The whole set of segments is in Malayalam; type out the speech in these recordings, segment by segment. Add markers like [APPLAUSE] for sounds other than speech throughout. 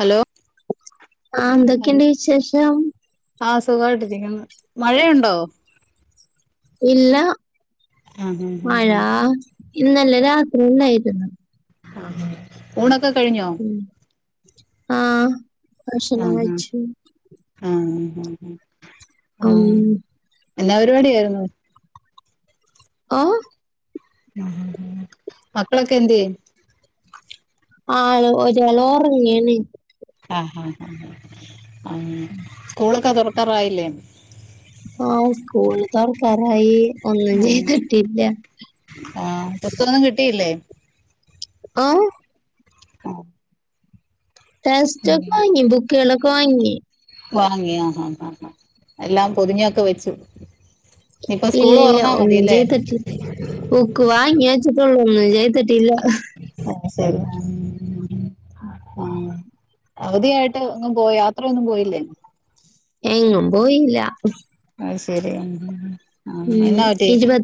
ഹലോ ആ എന്തൊക്കെയുണ്ട് വിശേഷം ആഹ് സുഖമായിട്ടിരിക്കുന്നു മഴയുണ്ടോ ഇല്ല ആഹ് മഴ ആഹ് ഇന്നല്ല രാത്രിണ്ടാ യിരുന്നു ഊണൊക്കെ കഴിഞ്ഞോ ആഹ് ഭക്ഷണം ആഹ് കഴി ച്ചു ആഹ് ആഹ് ഉം എന്നാ പരിപാടിയായിരുന്നു ഓഹ് മക്കളൊക്കെ എന്തെ ആഹ് ഒരാള് ഒറങ്ങിണ് ആഹ് ഹാ ആഹ് സ്കൂളൊക്കെ തുറക്കാറായില്ലേ ആഹ് സ്കൂള് തൊറക്കാറായി ഒന്നും ചെയ്തിട്ടില്ല ആഹ് പുസ്തകൊന്നും കിട്ടിയില്ലേ ആഹ് ടെസ്റ്റ്ക്കെ വാങ്ങി ബുക്കുകളൊക്കെ വാങ്ങി വാങ്ങിയോ ആഹ് ആഹ് ആഹ് എല്ലാം പൊതിഞ്ഞൊക്കെ വെച്ചു ഇനിയിപ്പോ ഇല്ല സ്കൂള് ഇല്ല തുറന്നാ ഒന്നും മതിയല്ലേ ചെയ്തിട്ടില്ല ബുക്ക് വാങ്ങി വച്ചിട്ടുള്ളൂ ഒന്നും ചെയ്തിട്ടില്ല ആഹ് ശരി ആഹ് ആഹ് അവധിയായിട്ട് അങ്ങ് പോയ യാത്രയൊന്നും പോയില്ലേ എങ്ങും പോയില്ല അഹ് ശെരി ഉം ഉം ഉം ഉം ഇരുപ [UNINTELLIGIBLE]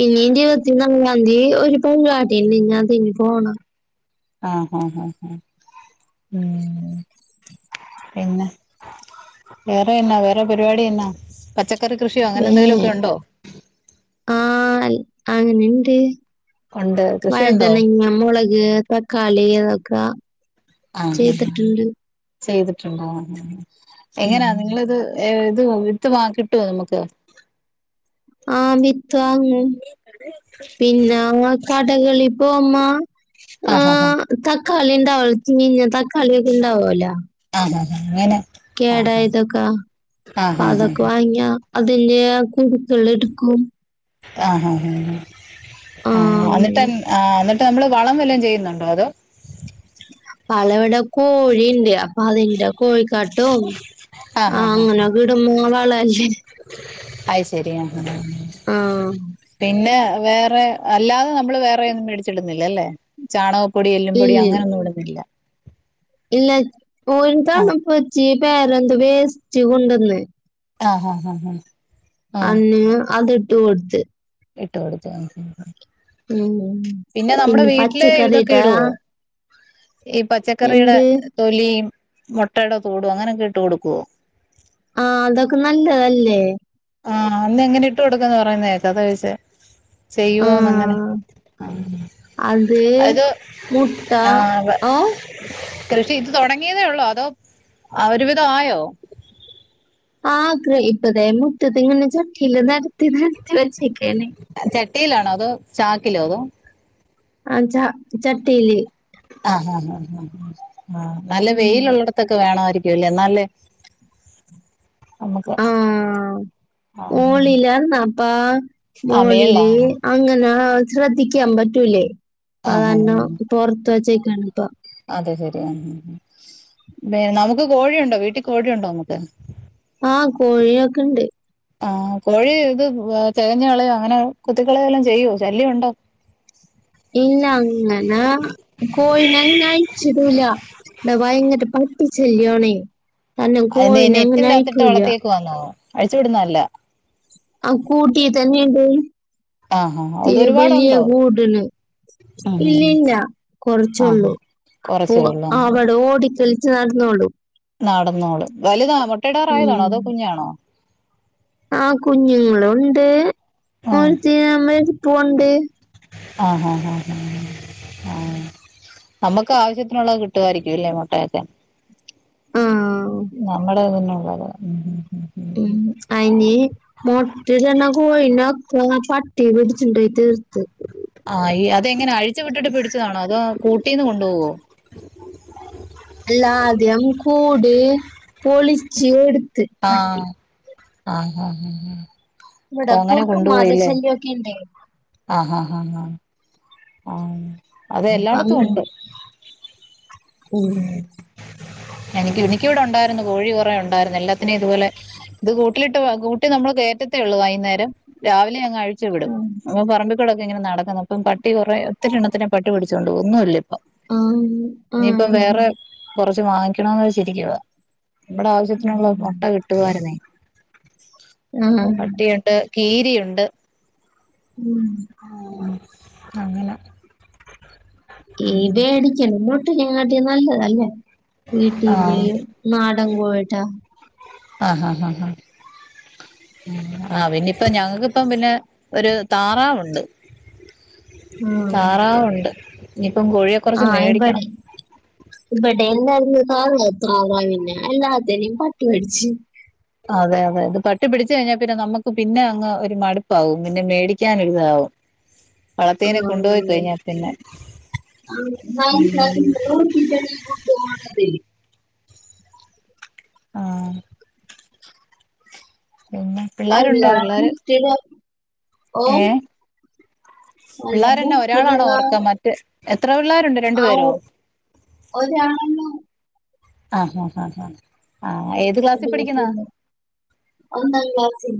ഇനി ഇരുപത്തി മൂന്നാം തിയ്യതി ഒരു പരിവാടിണ്ട് ഇനി അതിനി പോണം ആഹ് ഹാ ഹാ ഉം പിന്നെ വേറെ എന്ന വേറെ പരിപാടി എന്നാ പച്ചക്ക ക്കറി കൃഷിയോ അങ്ങനെന്തെങ്കിലോക്കെ ഉണ്ടോ? ആഹ് അൽ അങ്ങനെണ്ട് ഉണ്ട് കൃഷിയുണ്ടോ വഴുതനങ്ങ, മുളക്, തക്കാളി അതൊക്കെ ആഹ് ചെയ്തിട്ടുണ്ട് ചെയ്തിട്ടുണ്ടോ എങ്ങനെയ ഉം നിങ്ങളിത് ഏഹ് ഇത് വിത്ത് വാ കിട്ടോ നമുക്ക് ആഹ് വിത്ത് വാങ്ങും [UNINTELLIGIBLE] പിന്നെ അങ്ങ് കടകളി പോവുമ്മോ ആഹാ ഹാ തക്കാളി ഉണ്ടാവല്ലോ ചീഞ്ഞ തക്കാളിയക്കെ ഉണ്ടാവോല്ലോ ആഹ് ഹാ അങ്ങനെ ആഹ് കേടയതൊക്കെ ആഹ് ആഹ് പ്പാതൊക്കെ ആഹ് വാങ്ങിയാ അതിന്റെ കുരുക്കൾ എടുക്കും ആഹ് ഹാ ആ ആഹ് എന്നിട്ട് അങ്ങനെ ആഹ് എന്നിട്ട് നമ്മള് വളം വല്ലോം ചെയ്യുന്നുണ്ടോ അതോ വള ഇവടെ കോഴിണ്ട് അപ്പൊ അതിന്റെ കോഴിക്കാട്ടോ ആഹ് ഹാ ഹാ വളല്ലേ ഐസ് ശരിയാ ഉം ആ പിന്നെ വേറെ അല്ലാതെ നമ്മള് വേറെയൊന്നും മേടിച്ചിടുന്നില്ല അല്ലേ ചാണകപ്പൊടി എല്ലും പൊടി ഇല്ല അങ്ങനെയൊന്നും ഇടുന്നില്ല ഇല്ല ഓരി ആ തണ പൊച്ചി പേരെന്ത വേസ്റ്റ് കൊണ്ടുവന്ന് ആഹ് ഹാ ഹാ ആ അന്ന് അത് ഇട്ട് കൊടുത്ത് ഇട്ട് കൊടുത്ത് ആഹ് ഹാ ഹാ ഉം പിന്നെ നമ്മുടെ വീട്ടില് ഇതൊക്കെ ഇടുവോ ഈ പച്ചക്കറിയുടെ എന്ത് തൊലിയും മൊട്ടയുടെ തോടും അങ്ങനെയൊക്കെ ഇട്ട് കൊടുക്കുവോ ആഹ് അതൊക്കെ നല്ലതല്ലേ ആഹ് അന്ന് എങ്ങനെ ഇട്ട് കൊടുക്കന്ന് പറയുന്ന കേക്ക അതാ ചോയിച്ച ആ ചെയ്യുവോന്ന് അങ്ങനെ ആഹ് അത് അത് മുട്ട ആഹ് വെ ഓ കൃഷി ഇത് തുടങ്ങിയതേ ഉള്ളൂ അതോ ഒരുവിധ ആയോ? ആഹ് ഇപ്പതെ മുറ്റത്തി ഇങ്ങനെ ചട്ടില് നേരത്തി നേരത്തി വച്ചേക്കനെ ചട്ടിയിലാണോ അതോ ചാക്കിലോ അതോ ആ ച ചട്ടില് ആ ആ ആഹ് നല്ല ഉം വെയില ഉള്ള ത്തൊക്കെ വേണമായിരിക്കുംല്ലേ നല്ലേ നമ്മുക്ക് മോളിലന്നപ്പാ ആ മേളിലാ മോളില് ആ അങ്ങനെ ശ്രദ്ധിക്കാൻ പറ്റൂലേ അ ആ ആ, അതാരണം പുറത്ത് വെച്ചേക്കാണ് ഇപ്പ അത ശരി ആ പി നമുക്ക് കോഴിയുണ്ടോ വീട്ടിൽ കോഴിയുണ്ടോ നമുക്ക് ആഹ കോഴിയൊക്കെണ്ട് ആഹ കോഴി ഇത് തെകഞ്ഞ കളയോ അങ്ങനെ കുത്തിക്കളയ എല്ലാം ചെയ്യോ ശല്യംണ്ടോ ഇല്ല അങ്ങനെ കോഴിനെങ്ങ അയച്ചിടൂല ഇാ ഭയങ്കര പട്ടിച്ചെല്ലോണേ തന്നെ അത് കോഴിനെ അങ്ങനെ നെറ്റിന്റെ അകത്തിട്ട് അഴിക്കൂല വളർത്തിയേക്ക് വന്നോ അഴിച്ചു വിടുന്നല്ല ആ കൂട്ടി തന്നെയുണ്ട് ആ ആ അത് തിരു വലിയ ഒരുപാടുണ്ടോ കൂട്ട്ണ് ഉം, ഉം, ഉം. ഇല്ലല്ല ആഹ് കൊറച്ചുള്ളൂ അപ്പൊ കൊറച്ചേ ഉള്ളൂ അങ്ങനെ അവിടെ ഓടിക്കൽ ചേർന്നോടും നടന്നോളു വലുതാ മുട്ടടാറ ഉം ആയതാണോ അതോ കുഞ്ഞാണോ? ആ കുഞ്ഞുങ്ങളുണ്ട് ആഹ് [UNINTELLIGIBLE] എരിപ്പുണ്ട് ആഹ് ആ ആഹ് നമുക്ക് ആവശ്യത്തിനുള്ളത് കിട്ടുമായിരിക്കുംല്ലേ മുട്ടയൊക്കെ ആഹ നമ്മുടെതന്നുള്ളത് ഉം അയിനി മുട്ട തന്ന കോഴ ഒക്ക പട്ടി പിടിച്ചുണ്ടയി തീർത്ത് ആഈ അതെങ്ങനെ അഴിച്ചു വിട്ടിട്ട് പിടിച്ചാണോ അതോ കൂട്ടീ നിന്ന് കൊഡോവോ എല്ലാധം കൂട് പൊളിച്ച് എടു ആഹ ആഹ ആഹ ഇവിട കൂർക്കും മാതശന്യ ഒക്കെ ഉഡേ ആഹഹാ ഹാ ഹാ ആ അത അപ്പൊ എല്ലായിടത്തും ഉണ്ട് അങ്ങനെ ഉം എനിക്ക് എനിക്ക്വിടെ ഉണ്ടായിരുന്നു കോഴി കുറെ ഉണ്ടായിരുന്നു എല്ലാത്തിനും ഇതുപോലെ ഇത് കൂട്ടിലിട്ട് കൂട്ടി നമ്മള് കേയറ്റത്തേ ഉള്ളൂ വൈകുന്നേരം രാവിലെ ഞങ്ങാഴ പ വിടും ഉം അപ്പൊ പറമ്പിക്കൂടൊക്കെ ഇങ്ങനെ നടക്കുന്ന അപ്പം പട്ടി കുറേ ഒത്തിരി എണ്ണത്തിനെ പട്ടി പിടിച്ചുകോണ്ട് ഒന്നുംമല്ല ഇപ്പൊ ആഹ് നീയിപ്പം വേറെ ആഹ് കുറച്ച് വാങ്ങിക്കണന്ന്ച്ചിരിക്കവാ നമ്മുടെ ആവശ്യത്തിനുള്ള മുട്ട കിട്ടുവായിരുന്നേ ആഹ് പട്ടിയട്ട് കീരിയുണ്ട് ഉം അങ്ങനെ ഏയ് ഉം. പേടിക്കണം ഇങ്ങോട്ട ഞങ്ങാട്ടം നല്ലതല്ലേ വീട്ടില് നാടൻ പോയിട്ടാ ആഹഹ ആ പിന്നപ്പ ഞങ്ങക്ക് ഇപ്പം പിന്നെ ഒരു താറാവുണ്ട് ആഹ് താറാവുണ്ട്. നിപു [UNINTELLIGIBLE] ആഹ ഇബടെ ഇപ്പട്ടെ എല്ലാവാരും കാറത്രാവാ പിന്നെ എല്ലാത്തനേ പട്ടിപടിച്ച് അതെ അതെ ഇത് പട്ടി പിടിച്ച് കഴിഞ്ഞാ പിന്നെ നമുക്ക് പിന്നെ അങ്ങ് ഒരു മടുപ്പാവും പിന്നെ മേടിക്കാനൊരിതാവും വളർത്തിയനെ കൊണ്ടുപോയി കഴിഞ്ഞാൽ ഉം പിന്നെ [UNINTELLIGIBLE] ജണ ഉം ഗോഹണ [UNINTELLIGIBLE] ആഹ പിന്നെ അല്ല പിള്ളേരുണ്ടോ പിള്ളേര് ഓ അല്ല പിള്ളേരന്നെ മുട്ടിട ഒരാളാണോ ഓർക്കം മറ്റ് എത്ര പിള്ളേരുണ്ട് രണ്ടു ആവു പേരോ ഒരാളെ ആ ഹാ ഹാ ഹാ ഉം ഒരുകുട്ടി ഉണ്ട് ഒന്നാംക്ലാസിൽ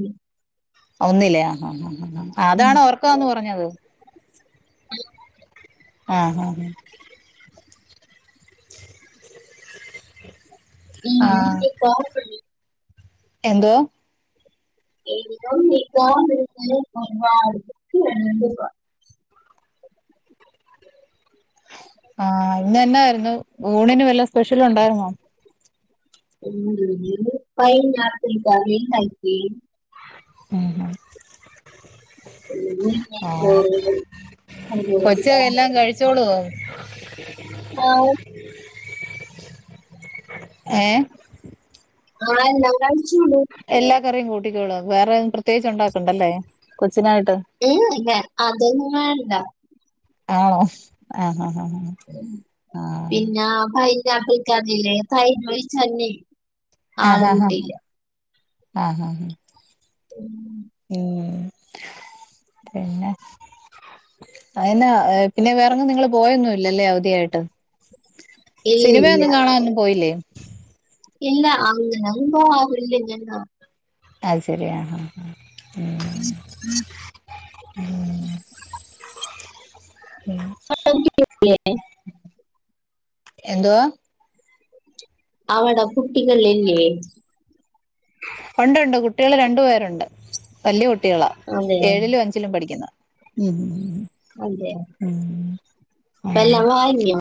ഒന്നിലാ ഹാ ഹാ ഹാ അതാണ് ഓർക്കാന്ന് പറഞ്ഞത് ആഹ് ആഹ് [UNINTELLIGIBLE] ആഹ് [INAUDIBLE] എന്തോ [UNINTELLIGIBLE] ആഹ് ഇന്നെന്നാരുന്നു ഊണിന് വല്ല സ്പെഷ്യലുണ്ടാര്ന്നോ [UNINTELLIGIBLE] പൈനാപ്പിൾ കറീണ്ടാക്കി [INAUDIBLE] അതെ ആഹ് അന്നെഷിച്ചാ [UNINTELLIGIBLE] ച്ചോളു [INAUDIBLE] നൗ [UNINTELLIGIBLE] [INAUDIBLE] ഏ ആ നകൾച്യുണ്ട് എല്ലാ കറിം കൂട്ടിക്കോള്ളു വേറെ പ്രേ പ്രത്യേച്ച് ഉണ്ടാക്കണ്ടല്ലേ കൊച്ചിനായിട്ട് ഏ അല്ല അതൊന്നും വേണ്ട ആണോ ആഹ് ആഹ് ആഹ് ആഹ് പിന്നാ പൈനാപ്പിൾ കറില്ലേ തൈരിലൊ ഴിച്ചാല് ആ ഹ ഹാ ആഹാ ഉം [INAUDIBLE] പിന്നെ അയ്നാ പിന്നെ വേറങ്ങ് നിങ്ങള് പോയൊ ന്നുല്ലല്ലേ അവധിയായിട്ട് ഇല്ല ഇല്ല സിനിമയൊന്നും കാണാനൊന്നും പോയില്ലേ ഇല്ല അങ്ങനൊന്നും പോവരില്ല ആ ഇല്ല്യല്ലൊ അത് സെര്യാണ് ഉം ഉം [INAUDIBLE] [INAUDIBLE] [INAUDIBLE] നമുക്ക് കിട്ടി [UNINTELLIGIBLE] എന്തുവാ ആവട കുട്ടികളില്ലേ? ഒണ്ട് ഒണ്ട് കുട്ടികള് രണ്ട്പേരുണ്ട് വല്ല്യ കുട്ടികളാ അതെ ഏഴിലും അഞ്ചിലും പഠിക്കുന്ന ഉം അതെ ഉം [INAUDIBLE] വാങ്യോ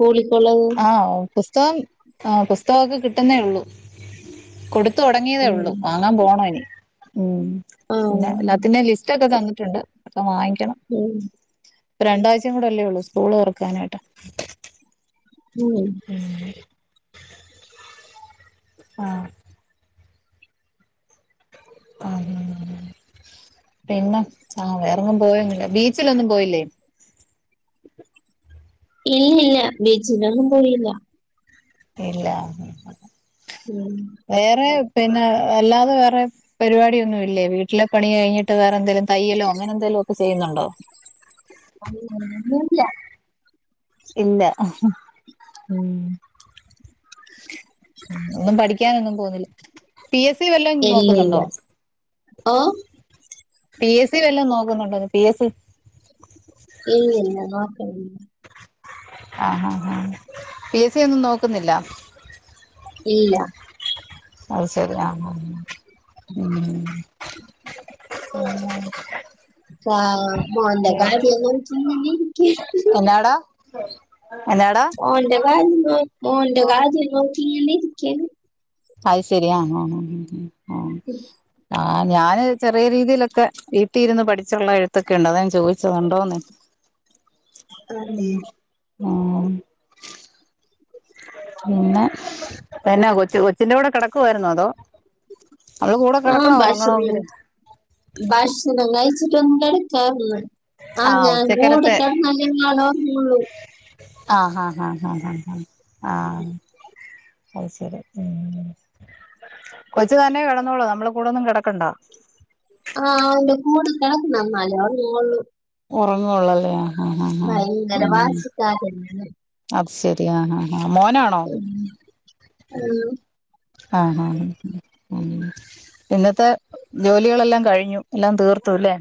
കൂളിക്കൊള്ളത് ആഹ് പുസ്തകം ആ പുസ്തകൊക്കെ കിട്ടുന്നേയുള്ളൂ കൊടുത്തു തൊടങ്ങിയതേ ഉം. ഉള്ളു വാങ്ങാൻ പോണം ഇനി ഉം ആ പിന്നെ ഉം. എല്ലാത്തിൻ്റേം ലിസ്റ്റക്കെ തന്നിട്ടുണ്ട് ഒക്കെ വാങ്ങിക്കണം ഉം ഇപ്പ രണ്ടാഴ്ചയുങ്ങൂടെ അല്ലേ ഒള്ളൂ സ്കൂള് തൊറക്കാനായിട്ട് ഉം ഉം ആഹ് ആഹ് ഹാ പിന്നെ ആ വേറെങ്ങും പോയങ്ങുല്ല ബീച്ചിലൊന്നും പോയില്ലേ ഇല്ലില്ല ബീച്ചിലൊന്നും പോയില്ല ഇല്ല [UNINTELLIGIBLE] ഉം വേറെ പിന്നെ അല്ലാതെ വേറെ പരിപാടിയൊന്നും ഇല്ലേ വീട്ടിലെ പണികഴിഞ്ഞിട്ട് വേറെ എന്തേലും തയ്യലോ അങ്ങന എന്തേലൊക്ക ചെയ്യുന്നുണ്ടോ പണി ഒന്നുല്ല ഇല്ല ഉം ഒന്നും പഠിക്കാനൊന്നും പോന്നില്ല പി എസ് സി വല്ലോം ഇല്ല ഇല്ല നോക്കുന്നുണ്ടോ ഓ പി എസ് സി വല്ലോം നോക്കുന്നുണ്ടോന്ന് പി എസ് സി ഇല്ല ഇല്ല നോക്ക്ണില്ല ആഹ് ആ ഹ് ആഹ് പി എസ് സി ഒന്നും നോക്കുന്നില്ല ഇല്ലാ അത്ശരി ആഹ് ഉം ആഹ് മോൻ്റെ കാര്യം നോക്കി ഇങ്ങനെ ഇരി [UNINTELLIGIBLE] എന്നാടാ എന്നാടാ മോന്റെ കാര്യം നോ മോന്റെ കാര്യം നോക്കി ഇങ്ങനെ ഇരിക്കാണ് അയ്ശരി ആഹ് ആഹ് ആഹ് ഉം ഉം ആഹ് ആഹ് ഞാന് ചെറിയ രീതിയിലൊക്കെ വീട്ടീ ഇരുന്ന് പഠിച്ചുള്ള എഴുത്തൊക്കെ ഉണ്ട് അതാ ഞാൻ ചോദിച്ചതുണ്ടോന്ന് ഉം അതെ ഉം പിന്നെ തന്നാ കൊച്ച് കൊച്ചിന്റെ കൂടെ കടക്കുവാരുന്നോ അതോ അവളെ കൂടെ ആഹ് കടക്കണോ ഭക്ഷണം ഒറങ്ങണോങ്കില് ഭക്ഷണം കഴിച്ചിട്ട് ഒന്ന് കെട ക്കാള്ളേ ആഹ് ഞാൻ കൂടെ കടന്നാലേ ഇയാള് ഒറങ്ങുള്ളു ആഹ് ഹാ ഹാ ഹാ ഹാ ആഹ് അത് ശരി കൊച്ചു തന്നെ കെടന്നോളു നമ്മളെ കൂടൊന്നും കടക്കണ്ടാ ആഹ് അവന്റെ കൂടെ കടക്കണം എന്നാലേ ഒറങ്ങോള്ളൂ ഒറങ്ങൊള്ളലേ ആഹ് ആഹ് ആഹ് ഭയങ്കര ഉം വാശിക്കാരനാണ് അത് ശരി ആഹ് ആഹ് ആഹ് മോനാ ഉം ആഹ് ആഹ് ആഹ് ആഹ് ആഹ് ഉം ഇന്നത്തെ ജോലികളല്ലാം കഴിഞ്ഞു എല്ലാം തീർത്തു ലേ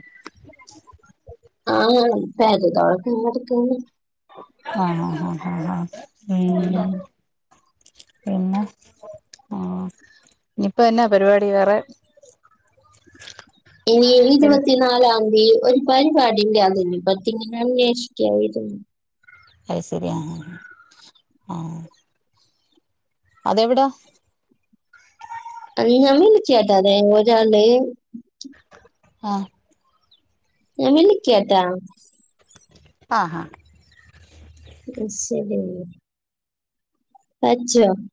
ആഹ് പെര തൊടക്കാൻ കെടക്കാണ് ആഹ് ആഹ് ആഹ് ആഹ് ആഹ് ഉം പിന്ന ആഹ് ഇനിയിപ്പ എന്നാ പരിപാടി വേറെ [UNINTELLIGIBLE] എനീ ഈച്ചും പത്തിലും നാലാം തീയതി ഒരു പരിപാടിണ്ടേ അതിനെ പറ്റി ഇങ്ങനെ അന്വേഷിക്കായിരുന്നു അത്ശരിയാ ആഹ് ആഹ് അതെവിട അത് ഞാൻ വിളിക്കിയാട്ടോ അത് ഒരാള് ആഹ് ഞാൻ വിളിക്കാട്ടാ ആഹ് അത് ശരി [UNINTELLIGIBLE]